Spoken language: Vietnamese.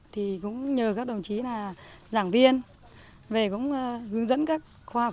thì cũng nhờ các đồng chí là giảng viên về cũng hướng dẫn các khoa học